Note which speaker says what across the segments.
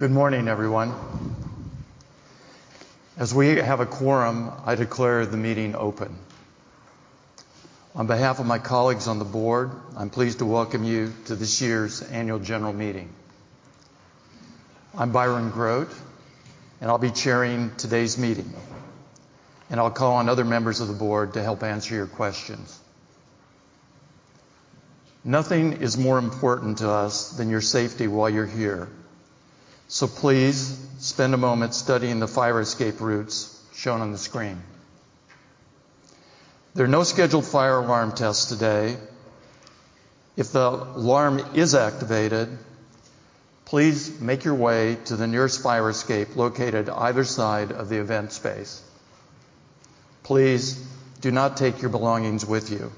Speaker 1: Good morning, everyone. As we have a quorum, I declare the meeting open. On behalf of my colleagues on the board, I'm pleased to welcome you to this year's Annual General Meeting. I'm Byron Grote and I'll be chairing today's meeting. I'll call on other members of the board to help answer your questions. Nothing is more important to us than your safety while you're here. Please spend a moment studying the fire escape routes shown on the screen. There are no scheduled fire alarm tests today. If the alarm is activated, please make your way to the nearest fire escape located either side of the event space. Please do not take your belongings with you.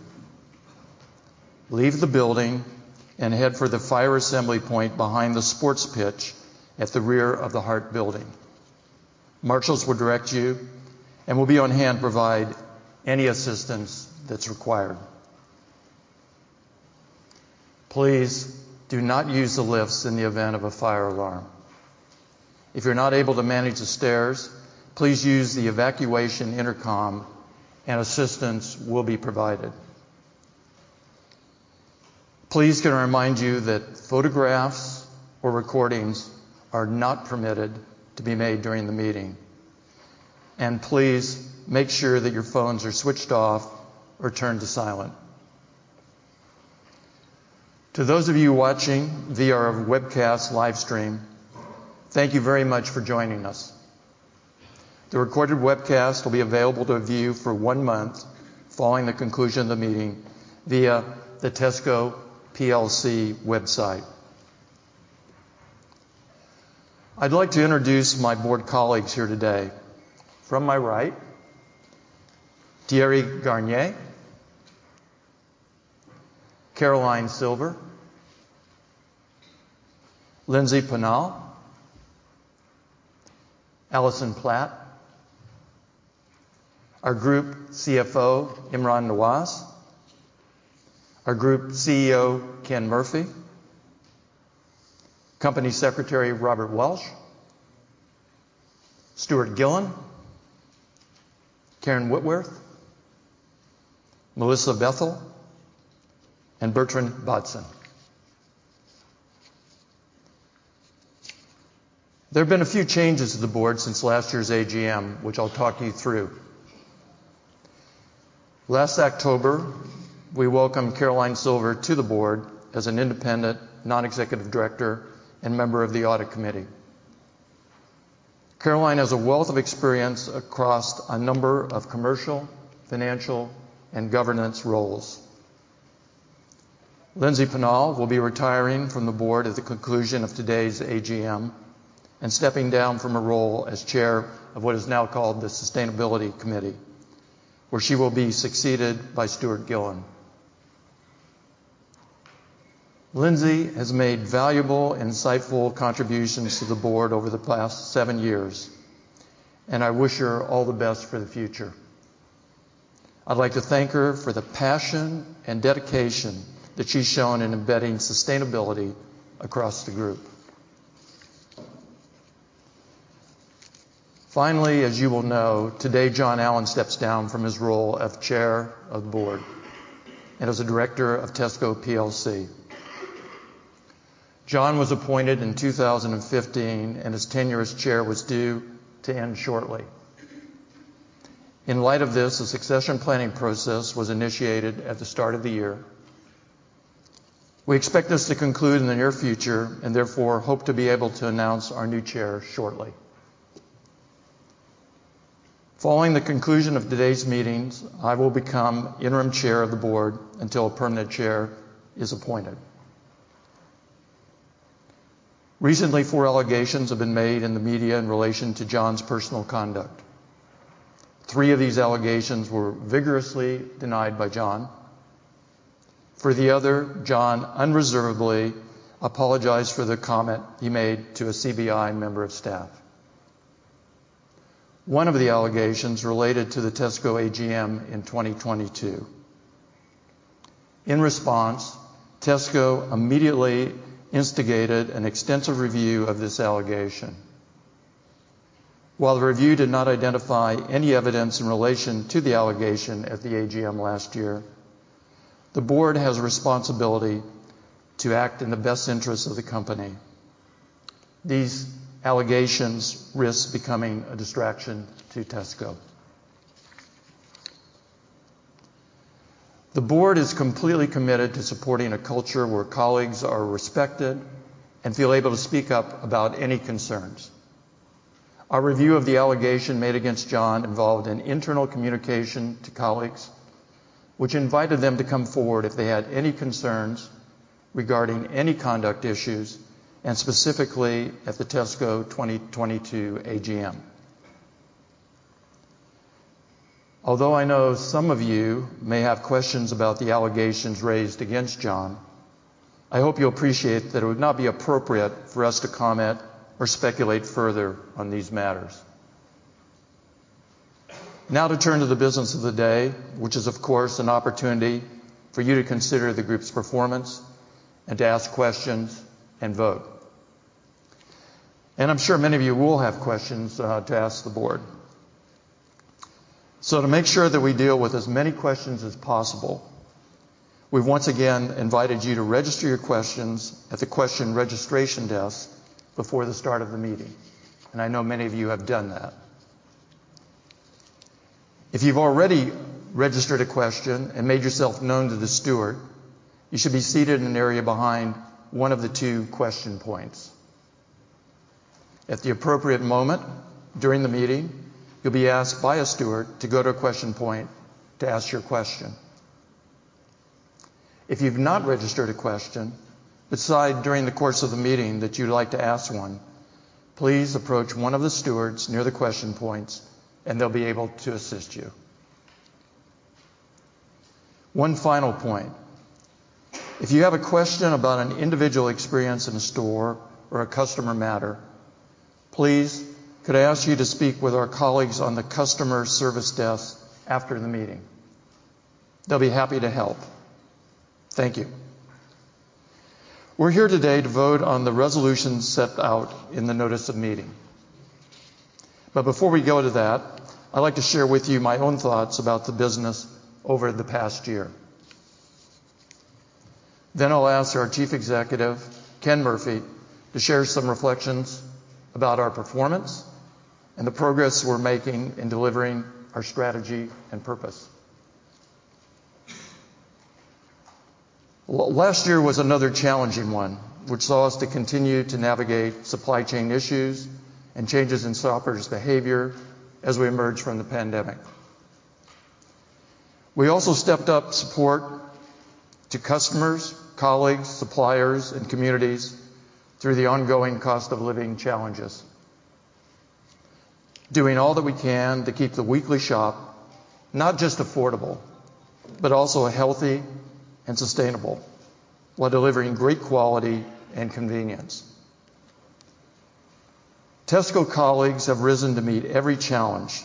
Speaker 1: Leave the building and head for the fire assembly point behind the sports pitch at the rear of the Heart Building. Marshals will direct you and will be on hand to provide any assistance that's required. Please do not use the lifts in the event of a fire alarm. If you're not able to manage the stairs, please use the evacuation intercom and assistance will be provided. Please can I remind you that photographs or recordings are not permitted to be made during the meeting. Please make sure that your phones are switched off or turned to silent. To those of you watching via our webcast live stream, thank you very much for joining us. The recorded webcast will be available to view for month following the conclusion of the meeting via the Tesco PLC website. I'd like to introduce my board colleagues here today. From my right, Thierry Garnier, Caroline Silver, Lindsey Pownall, Alison Platt, our Group CFO, Imran Nawaz, our Group CEO, Ken Murphy, Company Secretary, Robert Welch, Stewart Gilliland, Karen Whitworth, Melissa Bethell, and Bertrand Bodson. There have been a few changes to the board since last year's AGM, which I'll talk you through. Last October, we welcomed Caroline Silver to the board as an independent Non-executive Director and member of the Audit Committee. Caroline has a wealth of experience across a number of commercial, financial, and governance roles. Lindsey Pownall will be retiring from the board at the conclusion of today's AGM and stepping down from her role as Chair of what is now called the Sustainability Committee, where she will be succeeded by Stewart Gilliland. Lindsey has made valuable, insightful contributions to the board over the past seven years and I wish her all the best for the future. I'd like to thank her for the passion and dedication that she's shown in embedding sustainability across the group. As you well know, today, John Allan steps down from his role as chair of the board and as a director of Tesco PLC. John was appointed in 2015. His tenure as chair was due to end shortly. In light of this, a succession planning process was initiated at the start of the year. We expect this to conclude in the near future. Hope to be able to announce our new chair shortly. Following the conclusion of today's meetings, I will become interim chair of the board until a permanent chair is appointed. Recently, four allegations have been made in the media in relation to John's personal conduct. Three of these allegations were vigorously denied by John. For the other, John Allan unreservedly apologized for the comment he made to a CBI member of staff. One of the allegations related to the Tesco AGM in 2022. In response, Tesco immediately instigated an extensive review of this allegation. While the review did not identify any evidence in relation to the allegation at the AGM last year, the board has a responsibility to act in the best interest of the company. These allegations risk becoming a distraction to Tesco. The board is completely committed to supporting a culture where colleagues are respected and feel able to speak up about any concerns. Our review of the allegation made against John Allan involved an internal communication to colleagues, which invited them to come forward if they had any concerns regarding any conduct issues, and specifically at the Tesco 2022 AGM. Although I know some of you may have questions about the allegations raised against John, I hope you appreciate that it would not be appropriate for us to comment or speculate further on these matters. Now to turn to the business of the day, which is, of course, an opportunity for you to consider the group's performance and to ask questions and vote. I'm sure many of you will have questions to ask the board. To make sure that we deal with as many questions as possible, we've once again invited you to register your questions at the question registration desk before the start of the meeting, and I know many of you have done that. If you've already registered a question and made yourself known to the steward, you should be seated in an area behind one of the two question points. At the appropriate moment during the meeting, you'll be asked by a steward to go to a question point to ask your question. If you've not registered a question, but decide during the course of the meeting that you'd like to ask one, please approach one of the stewards near the question points, and they'll be able to assist you. One final point. If you have a question about an individual experience in a store or a customer matter, please could I ask you to speak with our colleagues on the customer service desk after the meeting? They'll be happy to help. Thank you. We're here today to vote on the resolution set out in the notice of meeting. Before we go to that, I'd like to share with you my own thoughts about the business over the past year. I'll ask our Chief Executive Ken Murphy to share some reflections about our performance and the progress we're making in delivering our strategy and purpose. Last year was another challenging one, which saw us to continue to navigate supply chain issues and changes in shoppers' behavior as we emerged from the pandemic. We also stepped up support to customers, colleagues, suppliers, and communities through the ongoing cost of living challenges, doing all that we can to keep the weekly shop not just affordable, but also healthy and sustainable, while delivering great quality and convenience. Tesco colleagues have risen to meet every challenge,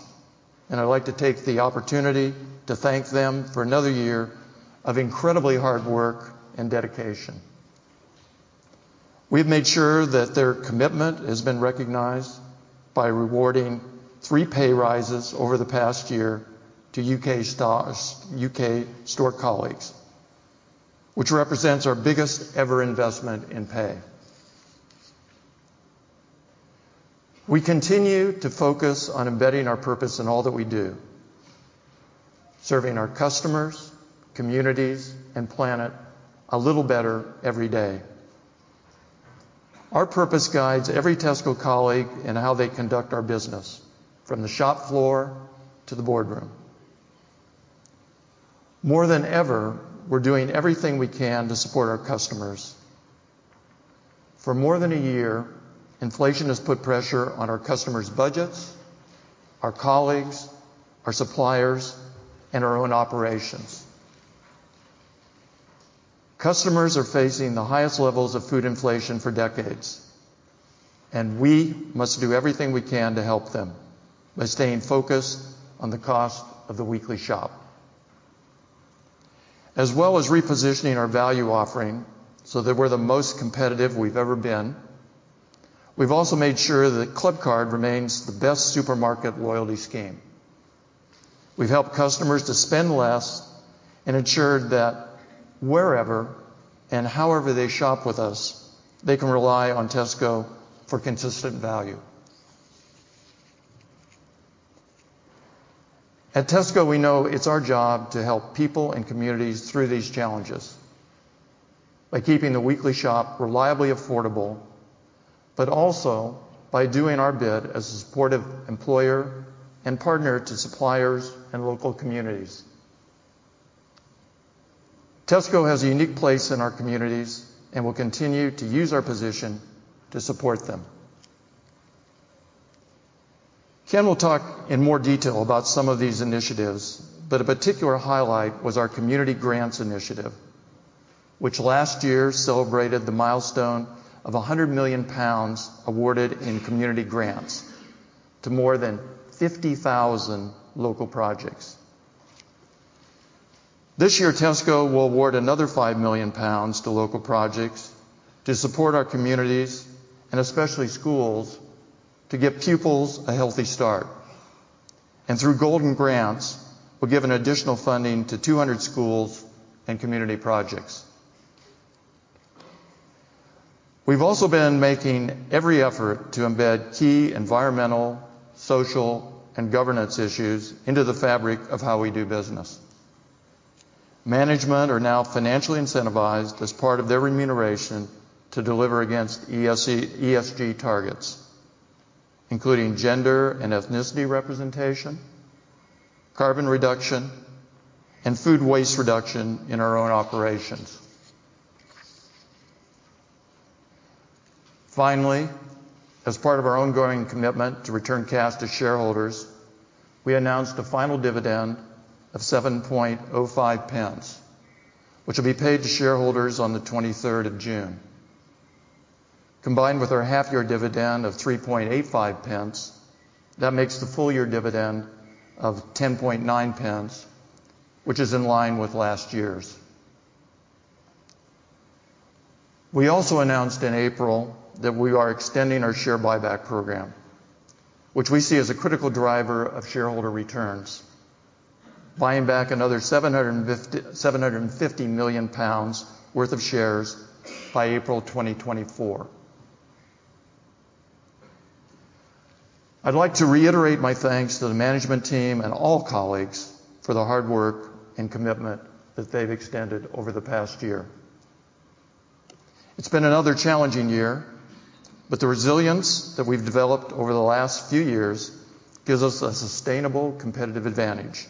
Speaker 1: and I'd like to take the opportunity to thank them for another year of incredibly hard work and dedication. We've made sure that their commitment has been recognized by rewarding three pay rises over the past year to U.K. store colleagues, which represents our biggest ever investment in pay. We continue to focus on embedding our purpose in all that we do, serving our customers, communities, and planet a little better every day. Our purpose guides every Tesco colleague in how they conduct our business, from the shop floor to the boardroom. More than ever, we're doing everything we can to support our customers. For more than a year inflation has put pressure on our customers' budgets, our colleagues, our suppliers, and our own operations. Customers are facing the highest levels of food inflation for decades, and we must do everything we can to help them by staying focused on the cost of the weekly shop. As well as repositioning our value offering so that we're the most competitive we've ever been, we've also made sure that Clubcard remains the best supermarket loyalty scheme. We've helped customers to spend less and ensured that wherever and however they shop with us, they can rely on Tesco for consistent value. At Tesco we know it's our job to help people and communities through these challenges by keeping the weekly shop reliably affordable, but also by doing our bit as a supportive employer and partner to suppliers and local communities. Tesco has a unique place in our communities and will continue to use our position to support them. Ken will talk in more detail about some of these initiatives. A particular highlight was our community grants initiative, which last year celebrated the milestone of 100 million pounds awarded in community grants to more than 50,000 local projects. This year, Tesco will award another 5 million pounds to local projects to support our communities, and especially schools, to give pupils a healthy start, and through Golden Grants, we'll give an additional funding to 200 schools and community projects. We've also been making every effort to embed key environmental, social, and governance issues into the fabric of how we do business. Management are now financially incentivized as part of their remuneration to deliver against ESG targets, including gender and ethnicity representation, carbon reduction, and food waste reduction in our own operations. As part of our ongoing commitment to return cash to shareholders, we announced a final dividend of 0.0705, which will be paid to shareholders on the 23rd of June. Combined with our half year dividend of 0.0385 that makes the full year dividend of 0.0109, which is in line with last year's. We also announced in April that we are extending our share buyback program, which we see as a critical driver of shareholder returns, buying back another 750 million pounds worth of shares by April 2024. I'd like to reiterate my thanks to the management team and all colleagues for the hard work and commitment that they've extended over the past year. It's been another challenging year. The resilience that we've developed over the last few years gives us a sustainable competitive advantage,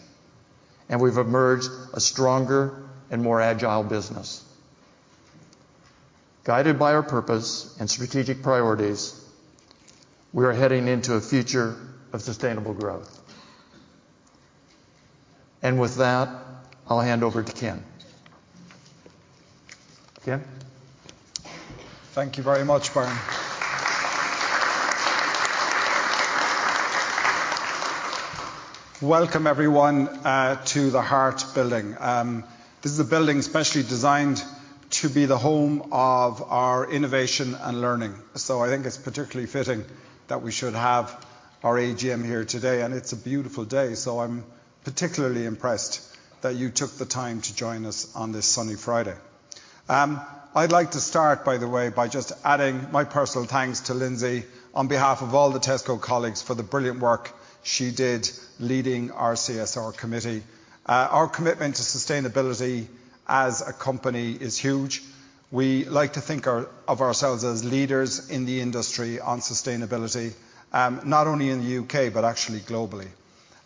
Speaker 1: and we've emerged a stronger and more agile business. Guided by our purpose and strategic priorities, we are heading into a future of sustainable growth. With that, I'll hand over to Ken. Ken?
Speaker 2: Thank you very much, Byron. Welcome, everyone, to the Heart Building. This is a building specially designed to be the home of our innovation and learning. I think it's particularly fitting that we should have our AGM here today, and it's a beautiful day, so I'm particularly impressed that you took the time to join us on this sunny Friday. I'd like to start, by the way, by just adding my personal thanks to Lindsey on behalf of all the Tesco colleagues, for the brilliant work she did leading our CSR committee. Our commitment to sustainability as a company is huge. We like to think of ourselves as leaders in the industry on sustainability, not only in the U.K., but actually globally.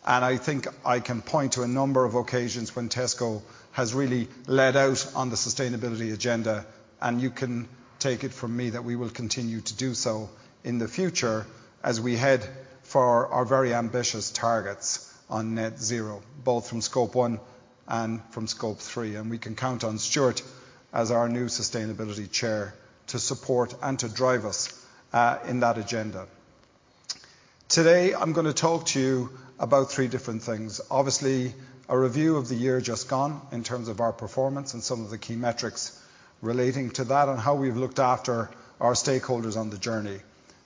Speaker 2: I think I can point to a number of occasions when Tesco has really led out on the sustainability agenda. You can take it from me that we will continue to do so in the future as we head for our very ambitious targets on net zero, both from Scope 1 and from Scope 3. We can count on Stewart as our new Sustainability Chair to support and to drive us in that agenda. Today, I'm gonna talk to you about three different things. Obviously, a review of the year just gone in terms of our performance and some of the key metrics relating to that and how we've looked after our stakeholders on the journey.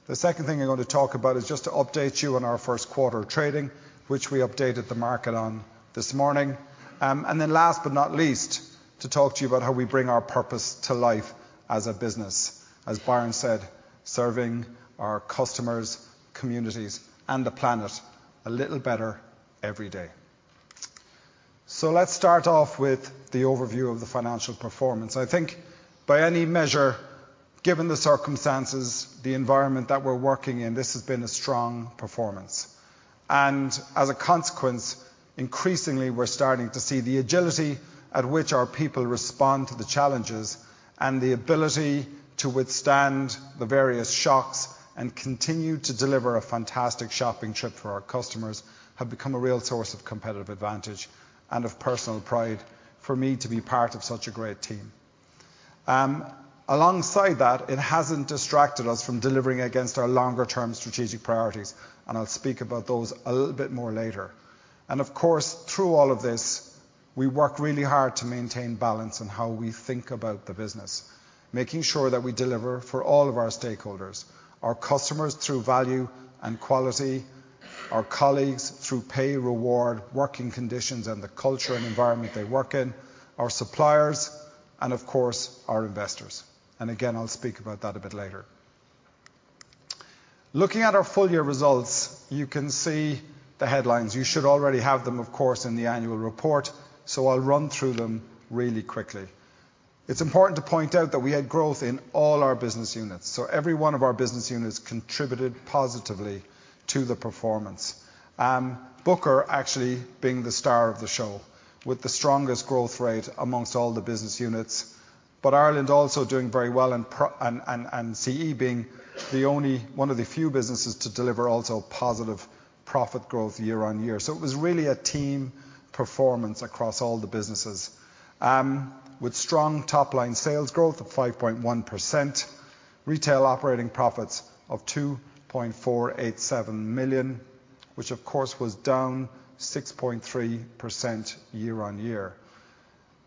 Speaker 2: The second thing I'm going to talk about is just to update you on our first quarter trading, which we updated the market on this morning. Last but not least, to talk to you about how we bring our purpose to life as a business. As Byron said serving our customers, communities, and the planet a little better every day. Let's start off with the overview of the financial performance. I think by any measure, given the circumstances, the environment that we're working in, this has been a strong performance, and as a consequence, increasingly we're starting to see the agility at which our people respond to the challenges, and the ability to withstand the various shocks and continue to deliver a fantastic shopping trip for our customers, have become a real source of competitive advantage and of personal pride for me to be part of such a great team. Alongside that, it hasn't distracted us from delivering against our longer term strategic priorities. I'll speak about those a little bit more later. Of course, through all of this, we work really hard to maintain balance in how we think about the business, making sure that we deliver for all of our stakeholders, our customers, through value and quality, our colleagues, through pay reward, working conditions, and the culture and environment they work in, our suppliers, and of course, our investors. Again, I'll speak about that a bit later. Looking at our full year results, you can see the headlines. You should already have them, of course, in the annual report. I'll run through them really quickly. It's important to point out that we had growth in all our business units. Every one of our business units contributed positively to the performance. Booker actually being the star of the show with the strongest growth rate among all the business units, Ireland also doing very well and CE being the only one of the few businesses to deliver also positive profit growth year-on-year. It was really a team performance across all the businesses, with strong top-line sales growth of 5.1%, retail operating profits of 2.487 million, which of course, was down 6.3% year-on-year.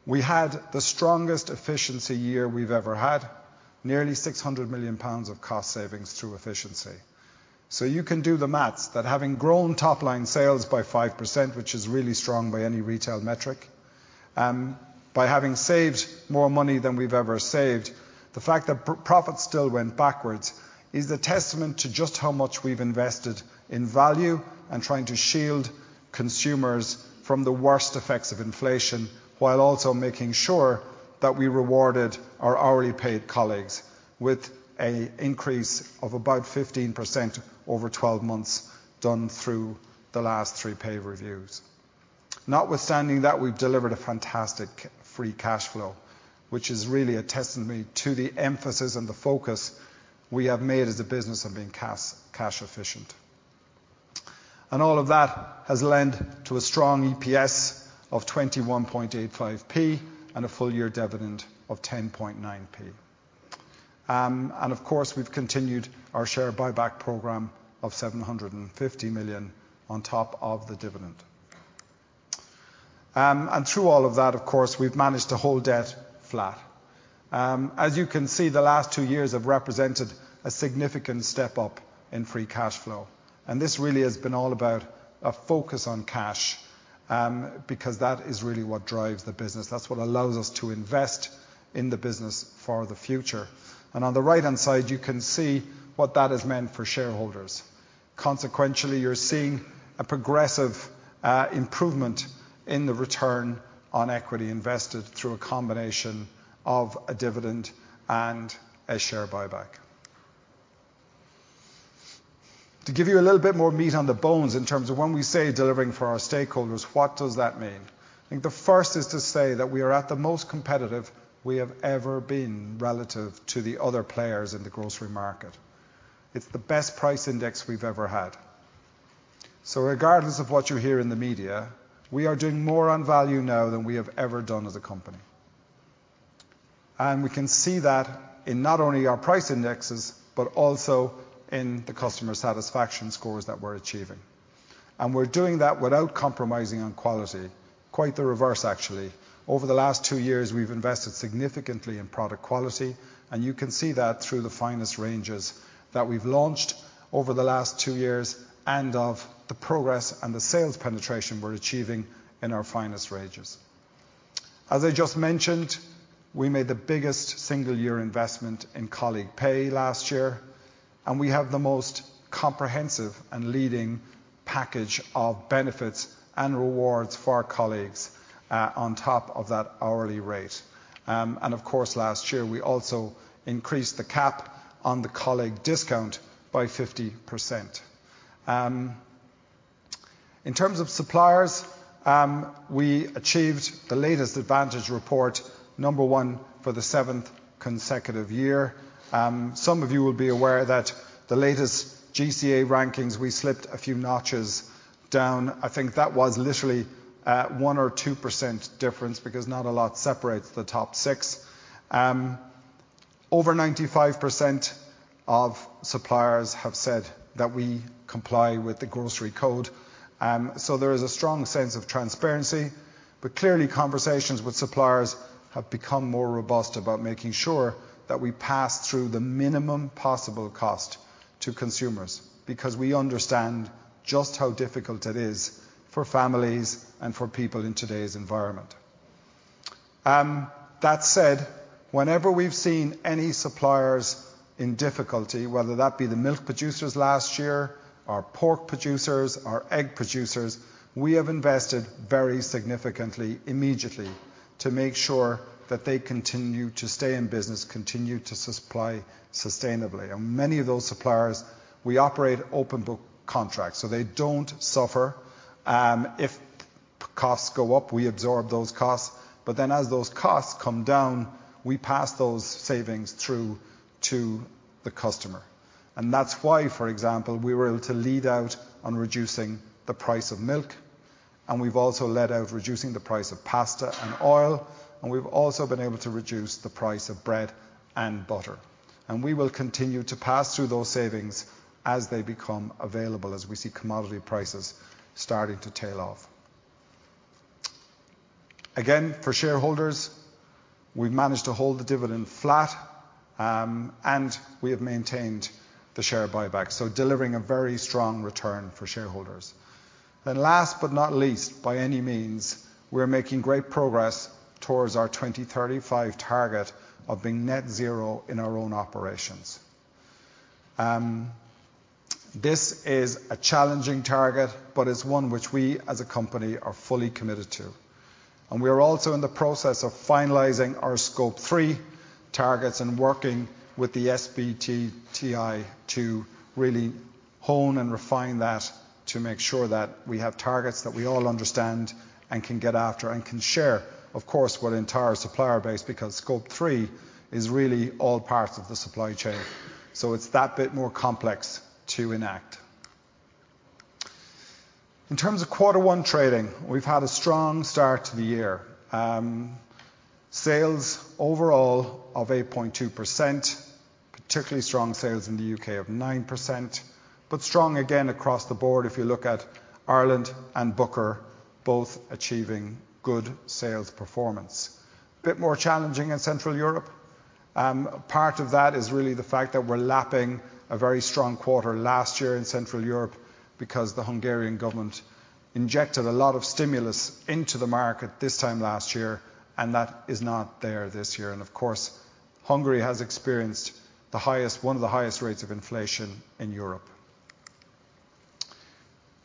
Speaker 2: We had the strongest efficiency year we've ever had, nearly 600 million pounds of cost savings through efficiency. You can do the math, that having grown top-line sales by 5% which is really strong by any retail metric, by having saved more money than we've ever saved, the fact that profits still went backwards is a testament to just how much we've invested in value and trying to shield consumers from the worst effects of inflation, while also making sure that we rewarded our hourly paid colleagues with a increase of about 15% over 12 months, done through the last 3 pay reviews. Notwithstanding that, we've delivered a fantastic free cash flow, which is really a testimony to the emphasis and the focus we have made as a business of being cash efficient. All of that has lent to a strong EPS of 0.2185 and a full year dividend of 0.109. Of course, we've continued our share buyback program of 750 million on top of the dividend. Through all of that of course we've managed to hold debt flat. As you can see, the last two years have represented a significant step up in free cash flow, this really has been all about a focus on cash, because that is really what drives the business. That's what allows us to invest in the business for the future. On the right-hand side, you can see what that has meant for shareholders. Consequentially, you're seeing a progressive improvement in the return on equity invested through a combination of a dividend and a share buyback. To give you a little bit more meat on the bones in terms of when we say delivering for our stakeholders, what does that mean? I think the first is to say that we are at the most competitive we have ever been relative to the other players in the grocery market. It's the best price index we've ever had. Regardless of what you hear in the media. We are doing more on value now than we have ever done as a company. We can see that in not only our price indexes but also in the customer satisfaction scores that we're achieving. We're doing that without compromising on quality. Quite the reverse, actually. Over the last two years, we've invested significantly in product quality. You can see that through the Finest ranges that we've launched over the last two years and of the progress and the sales penetration we're achieving in our Finest ranges. As I just mentioned, we made the biggest single year investment in colleague pay last year, and we have the most comprehensive and leading package of benefits and rewards for our colleagues, on top of that hourly rate. Of course, last year, we also increased the cap on the colleague discount by 50%. In terms of suppliers, we achieved the latest Advantage Report, number one for the 7th consecutive year. Some of you will be aware that the latest GCA rankings, we slipped a few notches down. I think that was literally 1% or 2% difference because not a lot separates the top six. Over 95% of suppliers have said that we comply with the Grocery Code, so there is a strong sense of transparency, but clearly, conversations with suppliers have become more robust about making sure that we pass through the minimum possible cost to consumers because we understand just how difficult it is for families and for people in today's environment. That said, whenever we've seen any suppliers in difficulty, whether that be the milk producers last year, our pork producers, our egg producers, we have invested very significantly, immediately, to make sure that they continue to stay in business, continue to supply sustainably. Many of those suppliers, we operate open book contracts so they don't suffer. If costs go up, we absorb those costs, as those costs come down, we pass those savings through to the customer. That's why, for example, we were able to lead out on reducing the price of milk, and we've also led out reducing the price of pasta and oil, and we've also been able to reduce the price of bread and butter. We will continue to pass through those savings as they become available, as we see commodity prices starting to tail off. Again, for shareholders, we've managed to hold the dividend flat, and we have maintained the share buyback, so delivering a very strong return for shareholders. Last but not least, by any means we're making great progress towards our 2035 target of being net zero in our own operations. This is a challenging target, but it's one which we as a company are fully committed to. We are also in the process of finalizing our Scope 3 targets and working with the SBTi to really hone and refine that to make sure that we have targets that we all understand and can get after and can share, of course, with the entire supplier base, because Scope 3 is really all parts of the supply chain, so it's that bit more complex to enact. In terms of Quarter One trading we've had a strong start to the year. Sales overall of 8.2%, particularly strong sales in the U.K. of 9%, but strong again across the board, if you look at Ireland and Booker, both achieving good sales performance. Bit more challenging in Central Europe. Part of that is really the fact that we're lapping a very strong quarter last year in Central Europe because the Hungarian government injected a lot of stimulus into the market this time last year, and that is not there this year. Of course, Hungary has experienced one of the highest rates of inflation in Europe.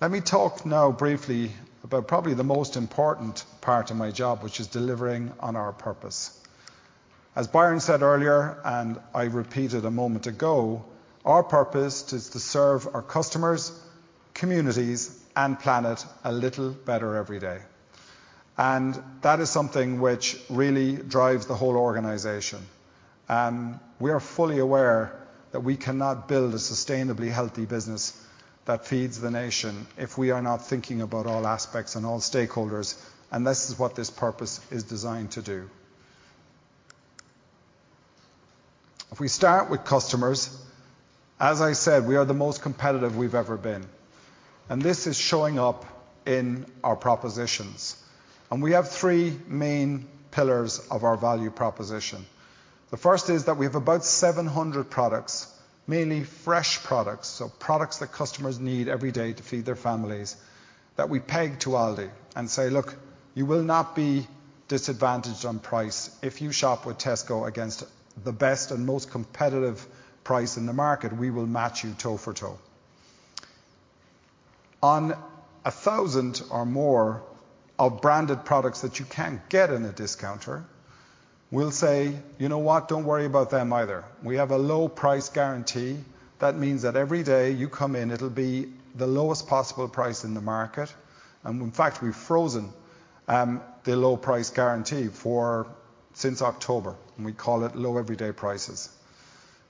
Speaker 2: Let me talk now briefly about probably the most important part of my job, which is delivering on our purpose. As Byron said earlier, and I repeated a moment ago, our purpose is to serve our customers, communities, and planet a little better every day. That is something which really drives the whole organization. We are fully aware that we cannot build a sustainably healthy business that feeds the nation if we are not thinking about all aspects and all stakeholders. This is what this purpose is designed to do. If we start with customers, as I said, we are the most competitive we've ever been. This is showing up in our propositions. We have three main pillars of our value proposition. The first is that we have about 700 products mainly fresh products, so products that customers need every day to feed their families, that we peg to Aldi and say, "Look, you will not be disadvantaged on price. If you shop with Tesco against the best and most competitive price in the market, we will match you toe for toe. On 1,000 or more of branded products that you can't get in a discounter, we'll say, "You know what? Don't worry about them either." We have a low price guarantee. That means that every day you come in, it'll be the lowest possible price in the market, and in fact, we've frozen the low price guarantee since October and we call it Low Everyday Prices.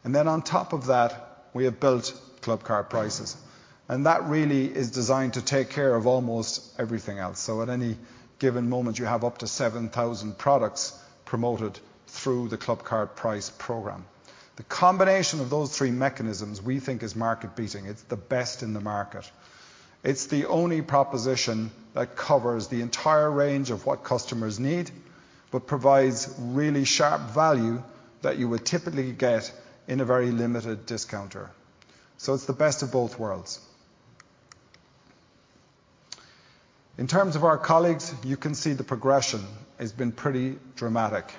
Speaker 2: Then on top of that, we have built Clubcard Prices and that really is designed to take care of almost everything else. At any given moment, you have up to 7,000 products promoted through the Clubcard Price program. The combination of those three mechanisms, we think, is market-beating. It's the best in the market. It's the only proposition that covers the entire range of what customers need but provides really sharp value that you would typically get in a very limited discounter, so it's the best of both worlds. In terms of our colleagues, you can see the progression has been pretty dramatic.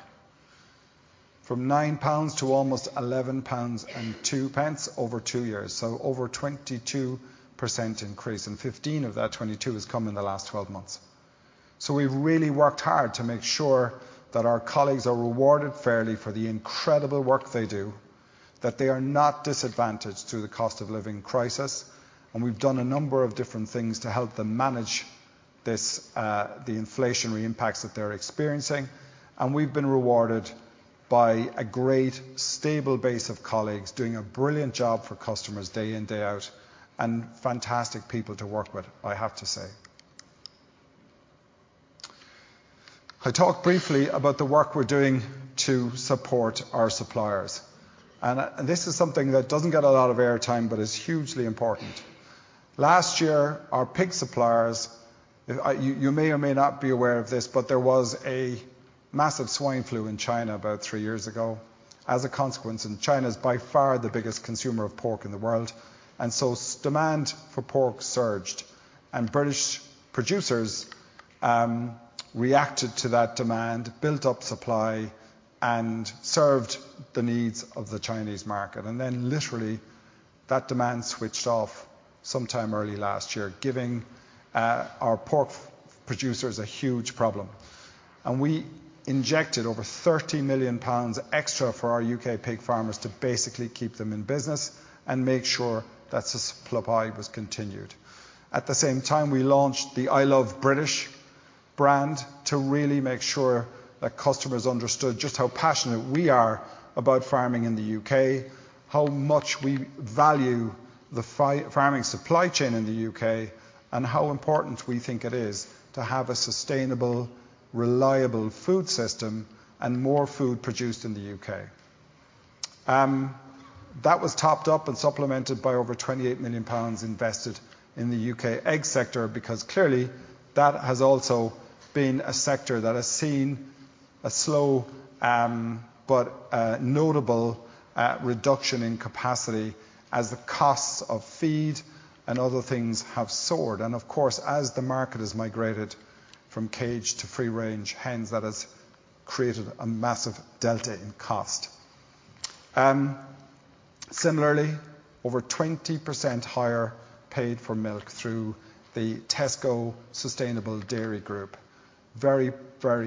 Speaker 2: From 9 pounds to almost 11.02 pounds over two years, so over 22% increase and 15% of that 22% has come in the last 12 months. We've really worked hard to make sure that our colleagues are rewarded fairly for the incredible work they do, that they are not disadvantaged through the cost of living crisis, and we've done a number of different things to help them manage this, the inflationary impacts that they're experiencing. We've been rewarded by a great stable base of colleagues doing a brilliant job for customers day-in, day-out, and fantastic people to work with, I have to say. I talk briefly about the work we're doing to support our suppliers, and this is something that doesn't get a lot of airtime but is hugely important. Last year, our pig suppliers, you may or may not be aware of this, but there was a massive swine flu in China about three years ago. As a consequence, and China's by far the biggest consumer of pork in the world and so demand for pork surged, and British producers reacted to that demand, built up supply, and served the needs of the Chinese market. Literally, that demand switched off sometime early last year, giving our pork producers a huge problem. We injected over 30 million pounds extra for our U.K. pig farmers to basically keep them in business and make sure that supply was continued. At the same time, we launched the I Love British brand to really make sure that customers understood just how passionate we are about farming in the U.K. how much we value the farming supply chain in the U.K., and how important we think it is to have a sustainable, reliable food system and more food produced in the U.K. That was topped up and supplemented by over 28 million pounds invested in the U.K. egg sector because clearly, that has also been a sector that has seen a slow, but notable, reduction in capacity as the costs of feed and other things have soared. Of course as the market has migrated from cage to free-range hens, that has created a massive delta in cost. Similarly, over 20% higher paid for milk through the Tesco Sustainable Dairy Group. Very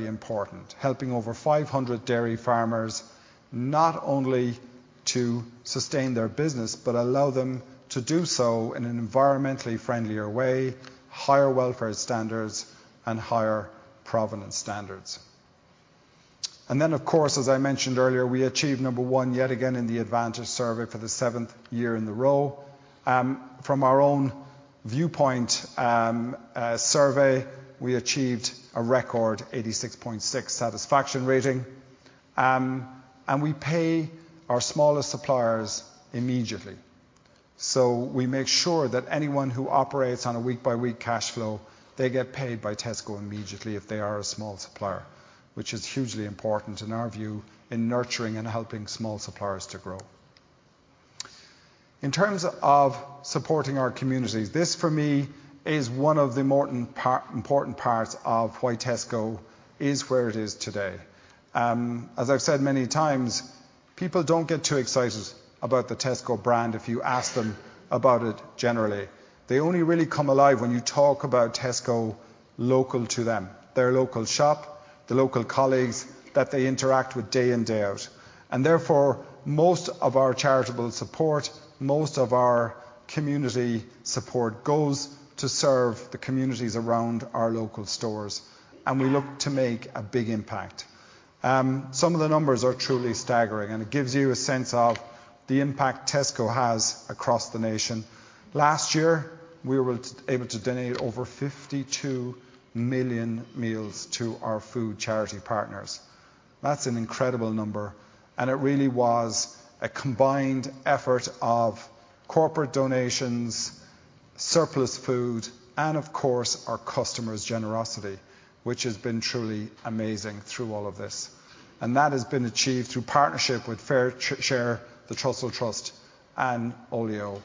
Speaker 2: important, helping over 500 dairy farmers not only to sustain their business but allow them to do so in an environmentally friendlier way, higher welfare standards, and higher provenance standards. Then, of course, as I mentioned earlier, we achieved number one yet again in the Advantage Survey for the 7th year in the row. From our own viewpoint, survey, we achieved a record 86.6 satisfaction rating, and we pay our smallest suppliers immediately. We make sure that anyone who operates on a week-by-week cash flow, they get paid by Tesco immediately if they are a small supplier, which is hugely important, in our view, in nurturing and helping small suppliers to grow. In terms of supporting our communities, this, for me, is one of the more important parts of why Tesco is where it is today. As I've said many times, people don't get too excited about the Tesco brand if you ask them about it generally. They only really come alive when you talk about Tesco local to them, their local colleagues that they interact with day-in, day-out. Therefore, most of our charitable support, most of our community support goes to serve the communities around our local stores, and we look to make a big impact. Some of the numbers are truly staggering, and it gives you a sense of the impact Tesco has across the nation. Last year, we were able to donate over 52 million meals to our food charity partners. That's an incredible number, and it really was a combined effort of corporate donations, surplus food, and of course, our customers' generosity, which has been truly amazing through all of this, and that has been achieved through partnership with FareShare, the Trussell Trust and Olio.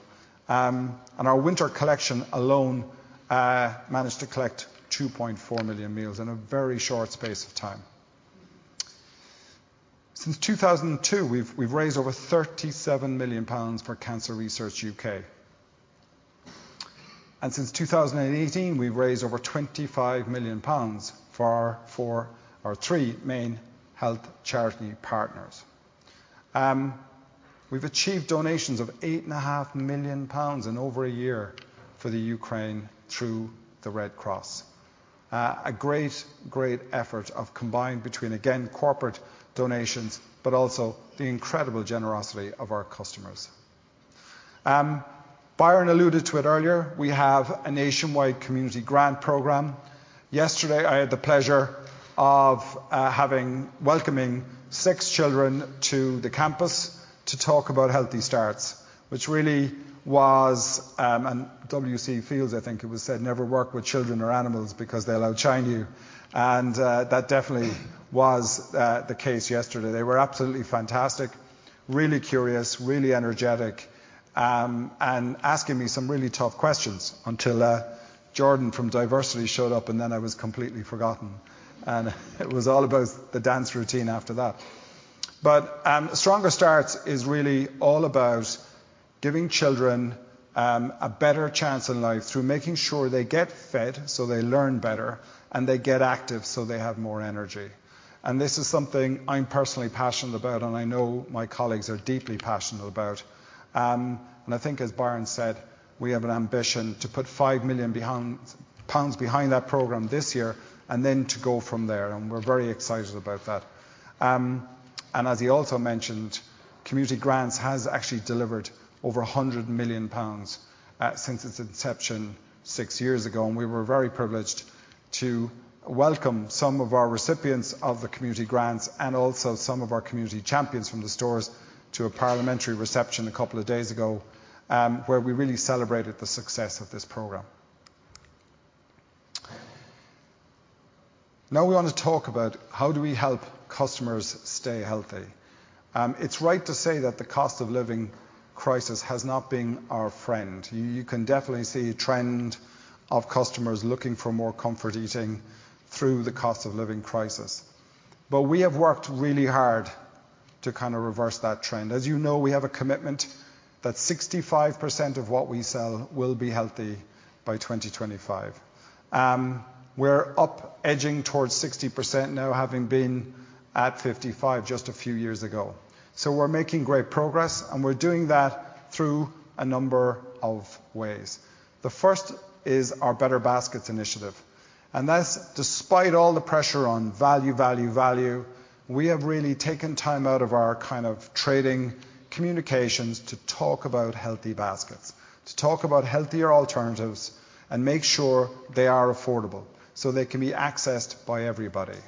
Speaker 2: Our winter collection alone managed to collect 2.4 million meals in a very short space of time. Since 2002, we've raised over 37 million pounds for Cancer Research UK. Since 2018, we've raised over 25 million pounds for our three main health charity partners. We've achieved donations of 8.5 pounds in over a year for Ukraine through the Red Cross. A great effort of combined between, again, corporate donations, also the incredible generosity of our customers. Byron alluded to it earlier, we have a nationwide community grant program. Yesterday, I had the pleasure of welcoming six children to the campus to talk about healthy starts, which really was. W.C. Fields, I think it was said, "Never work with children or animals because they'll outshine you," and that definitely was the case yesterday. They were absolutely fantastic, really curious, really energetic, and asking me some really tough questions until Jordan from Diversity showed up, and then I was completely forgotten, and it was all about the dance routine after that. Stronger Starts is really all about giving children a better chance in life through making sure they get fed, so they learn better, and they get active, so they have more energy. And this is something I'm personally passionate about, and I know my colleagues are deeply passionate about. I think, as Byron said we have an ambition to put 5 million pounds behind that program this year, and then to go from there, and we're very excited about that. As he also mentioned, community grants has actually delivered over 100 million pounds since its inception six years ago, and we were very privileged to welcome some of our recipients of the community grants, and also some of our community champions from the stores, to a parliamentary reception a couple of days ago, where we really celebrated the success of this program. We want to talk about how do we help customers stay healthy? It's right to say that the cost-of-living crisis has not been our friend. You can definitely see a trend of customers looking for more comfort eating through the cost-of-living crisis. We have worked really hard to kind of reverse that trend. As you know we have a commitment that 65% of what we sell will be healthy by 2025. We're up edging towards 60% now, having been at 55% just a few years ago. We're making great progress, and we're doing that through a number of ways. The first is our Better Baskets initiative, and that's despite all the pressure on value, value, we have really taken time out of our kind of trading communications to talk about healthy baskets, to talk about healthier alternatives, and make sure they are affordable, so they can be accessed by everybody.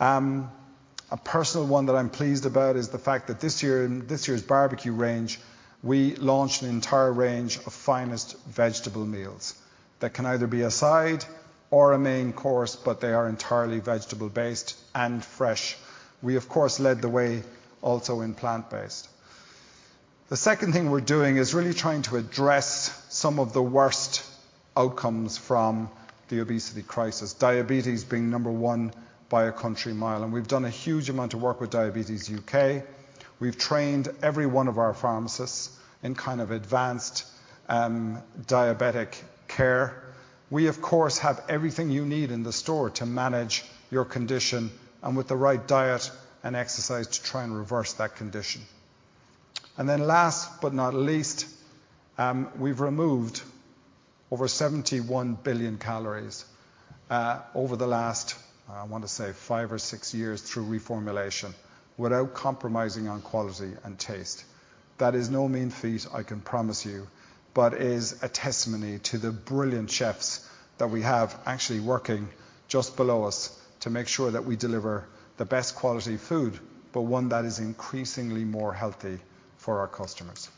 Speaker 2: A personal one that I'm pleased about is the fact that this year, in this year's barbecue range we launched an entire range of Finest vegetable meals that can either be a side or a main course, but they are entirely vegetable-based and fresh. We, of course, led the way also in plant-based. The second thing we're doing is really trying to address some of the worst outcomes from the obesity crisis, diabetes being number one by a country mile. We've done a huge amount of work with Diabetes UK. We've trained every one of our pharmacists in kind of advanced, diabetic care. We, of course, have everything you need in the store to manage your condition and with the right diet and exercise, to try and reverse that condition. Last but not least, we've removed over 71 billion calories, over the last, I want to say, five or six years through reformulation, without compromising on quality and taste. That is no mean feat, I can promise you, but is a testimony to the brilliant chefs that we have actually working just below us to make sure that we deliver the best quality food, but one that is increasingly more healthy for our customers.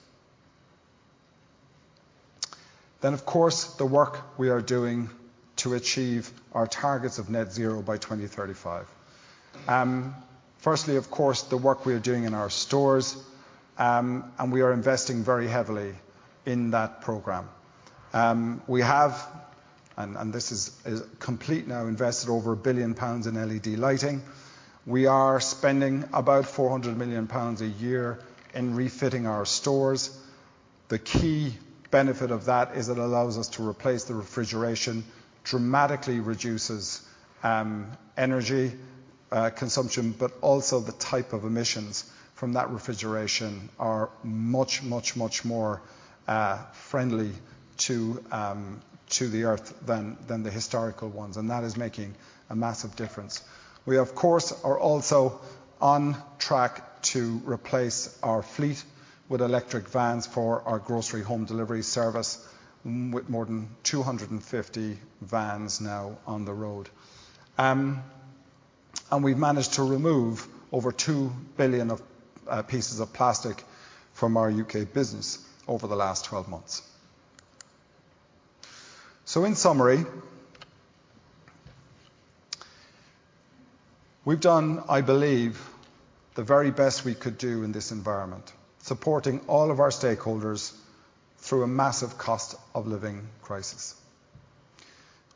Speaker 2: Of course, the work we are doing to achieve our targets of net zero by 2035. Firstly, of course, the work we are doing in our stores, and we are investing very heavily in that program. We have, and this is complete now, invested over 1 billion pounds in LED lighting. We are spending about 400 million pounds a year in refitting our stores. The key benefit of that is it allows us to replace the refrigeration, dramatically reduces energy consumption, but also the type of emissions from that refrigeration are much more friendly to the Earth than the historical ones, that is making a massive difference. We, of course, are also on track to replace our fleet with electric vans for our grocery home delivery service, with more than 250 vans now on the road. We've managed to remove over 2 billion pieces of plastic from our U.K. business over the last 12 months. In summary, we've done, I believe, the very best we could do in this environment, supporting all of our stakeholders through a massive cost-of-living crisis.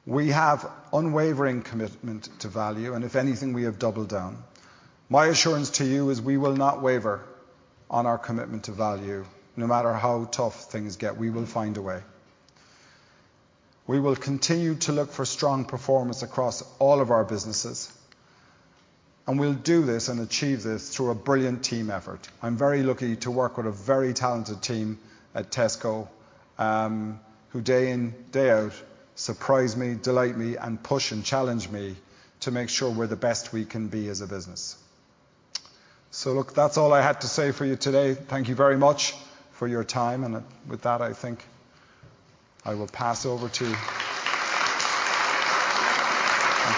Speaker 2: We have unwavering commitment to value, if anything, we have doubled down. My assurance to you is we will not waver on our commitment to value. No matter how tough things get, we will find a way. We will continue to look for strong performance across all of our businesses, we'll do this and achieve this through a brilliant team effort. I'm very lucky to work with a very talented team at Tesco, who day in, day out, surprise me, delight me, and push and challenge me to make sure we're the best we can be as a business. Look, that's all I have to say for you today. Thank you very much for your time, with that, I think I will pass over. Thank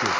Speaker 2: you.